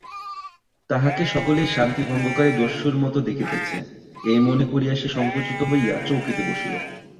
তাহাকে সকলেই শান্তিভঙ্গকারী দস্যুর মতো দেখিতেছে এই মনে করিয়া সে সংকুচিত হইয়া চৌকিতে বসিল।